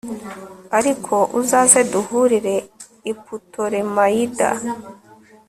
ariko uzaze duhurire i putolemayida